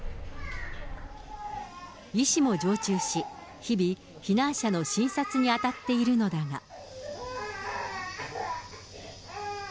医師も常駐し、日々、避難者の診察に当たっているのだが。